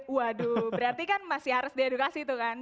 waduh berarti kan masih harus di edukasi itu kan